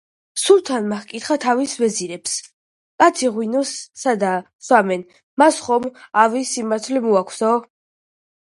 სულთანმა ჰკითხა თავის ვეზირს: კაცნი ღვინოს რადა სვამენ, მას ხომ ავი სიმთვრალე მოაქვსო?